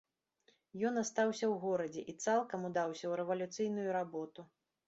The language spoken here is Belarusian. Ён астаўся ў горадзе і цалкам удаўся ў рэвалюцыйную работу.